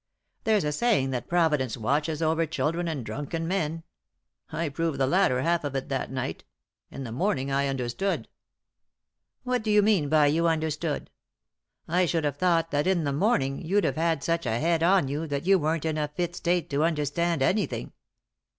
There's a saying that Providence watches over children and drunken men. I proved the latter half of it that night In the morning I understood." " What do you mean by you understood ? I should have thought that in the morning you'd have had such a head on you that you weren't in a fit state to understand anything."